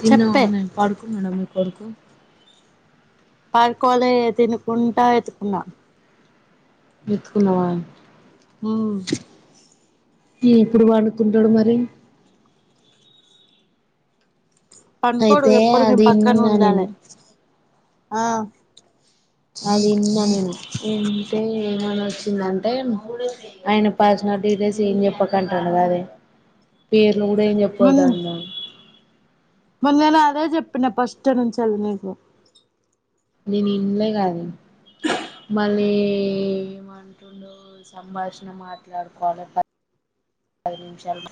తిన్న చెప్పే వాన్నా పడుకునాడా మీ కొడుకు పార్కుకోలే తినుకుంటా ఎతుకున్నా ఎత్తుకున్నావా ఊ ఇ ఎప్పుడు వండుకుంటాడు మరి పండుకోడు అయితే ఎప్పుడు నేను అది పక్కన ఇన్నా ఉండాలి నేను ఆ అది ఇన్న నేను ఏమంటే ఏమని వచ్చిందంటే ఆయన పర్సనల్ డీటెయిల్స్ ఏం చెప్పకంటడు కాదే పేరు పేర్లు కూడా ఏం చెప్పద్దు అంట మరీ నేను అదే చెప్పిన ఫస్ట్ నుంచి నీకు నేను ఇంలే కాదే మళ్ళీ ఏమంటుండు సంభాషణ మాట్లాడుకోవాలి పది నిమిషాలు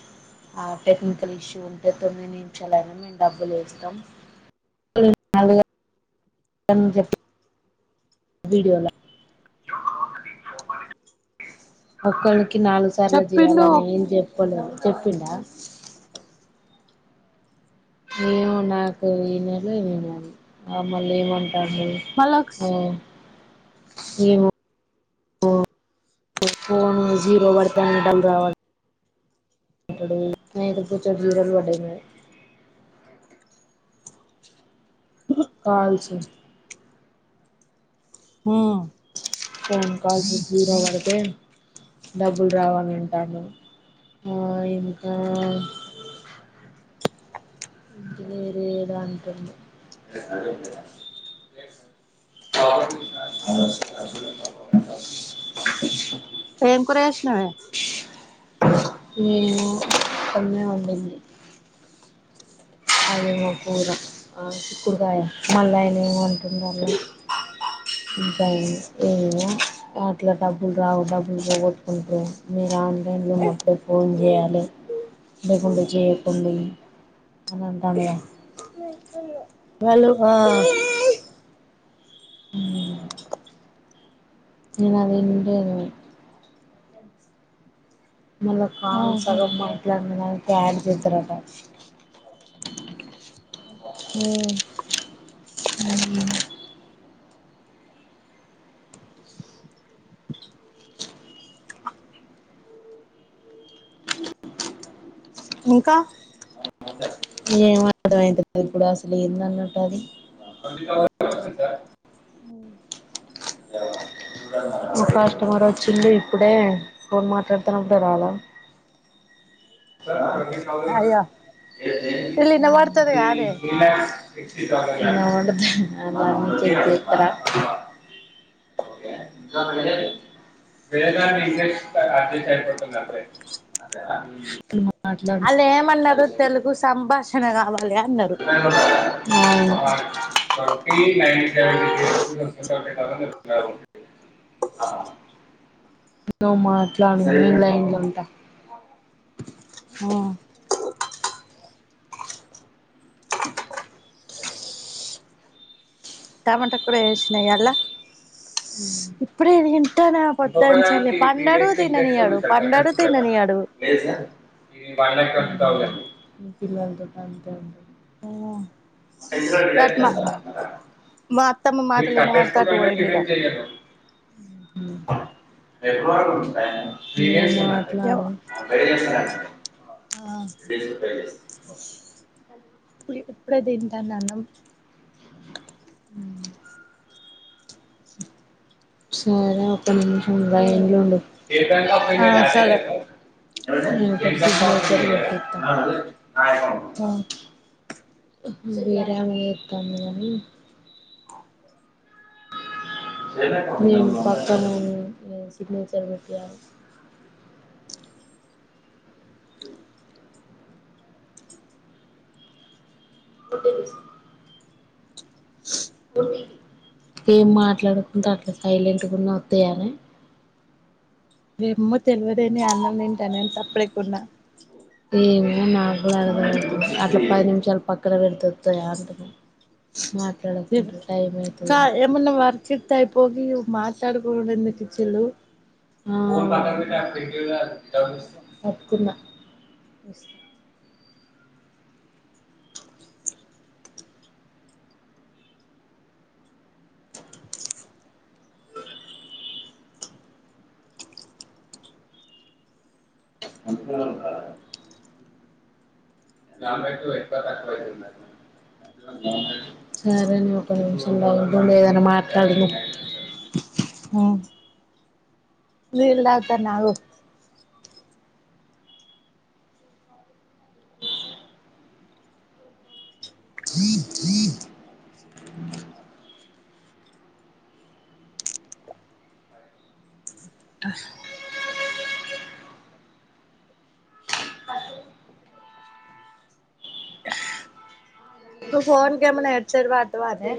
ఆ టెక్నికల్ ఇష్యూ ఉంటే తొమ్మిది నిమిషాలయినా మేము డబ్బులు వేస్తాం అని చెప్పి వీడియోల కి నాలుగు సార్లు చెప్పిండు చేయాలని ఏం చెప్పలే చెప్పిండా నేను నాకు ఈ నెల వినను ఆ మళ్ళీ ఏమంట మళ్ళా ఏమంటాండు ఓ ఏవో ఫోను కాల్స్ జీరో పడితే డబ్బులు రావు అంటాండు మరి కాల్స్ హ ఫోన్ కాల్స్ జీరో పడితే డబ్బులు రావాని అంటాండు ఇంకా [unintelligible] ఏం కూర చేసినవే నేను కొన్నే వండింది అదేమో కూర ఆ చిక్కుడుకాయ మళ్ళీ ఆయన ఏమో అంటుండు అలా ఇంకా ఏమమో అట్లా డబ్బులు రావు డబ్బులు పోగొట్టుకుంటారు మీరు ఆన్లైన్లో ఉన్నప్పుడే ఫోన్ చేయాలి లేకుండా చేయకుండా అని అంటాండుగా వాళ్లు ఆ అ నేను అదింటేను మల్ల కాల్స్ ఆహా సగం మాట్ల మా నాయన క్యారీ తెస్తాడట ఉమ్ ఊహు ఇంకా ఏం అర్థమైంది అబ్బా ఇప్పుడు అసలు ఏంది నన్ను అంటాది మా కస్టమర్ వచ్చింది ఇప్పుడే ఫోన్ మాట్లాడుతున్నప్పుడే రాల్లా అయ్యో వీళ్ళు వినబడుతది కాదే ర అంట అలా అన్ని చేయకు ఇక్కడ వేదన్ని ఇ అ అయిపడుతున్నారు అే వాళ్ళు ఏమన్నారు తెలుగు సంభాషణ కావాలి అన్నారు అవును నువ్ మాట్లాడు నేన్ లైన్ల ఉంటా ఉమ్ టమాట కూర చేసిన ఈయల ఉమ్. ఇప్పుడే తంటానా పొద్ద ఇంకొక నుంచేల్లి దానికి త్రీ పండడు డేస్ ఇంట్రెస్ట్ ఉంది తిననీయడు సార్ పండడు తిననీయడు ఇ పిల్లల తోటి అంతే ఉంటది ఇగట్ మా మా అత్తమ్మ మాటలినవడితె అటు పోయిండిగా మ్ [unintelligible] మాట్లాడు ఆ డేస్ పే చేస్తారు ఇప్పుడే తింటాన్న అన్నం సరే ఒక్క నిమిషం లైన్ల ఉండు ఏ ఆ బకప్పైననాే అ సరే [unintelligible] [inaudible] ఆయ [inaudible] విరామమే అత్తంది కానీ నేను పక్కన ఉం నేను సిగ్నేచర్ పెట్టియ్యాలే [inaudible] ఏం మాట్లాడుకుంట అట్ల సైలెంట్ గున్న అత్తయనే ఏమ్మో తెల్వదే నేన్ అన్నం తింటన సప్పుడుజెక డుల్ల ఏమో నాకుడ అదికడ తెల్వదు అట్ల పది నిమిషాలు పక్కన పెడుతె ఒత్తయ అంటున్న కాదు ఏమన్న వర్కిత్తే అయిపోవు గి మా ట్లాడుకునుడు ఎందుకు ఇచ్చిళ్ళు ఆ ఒప్పుకున్న ఇస్తా [unintelligible] సరేనే ఒక్కనిమిషం లైన్లుండు ఏదన్న మాట్లాడుదాం నీళ్ తాగుతన్న ఆగు నువ్ ఫోన్ కేమన్న హెడ్సట్ వాడ్తావానే